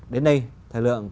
đến đây thời lượng